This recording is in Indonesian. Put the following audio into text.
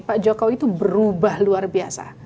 pak jokowi itu berubah luar biasa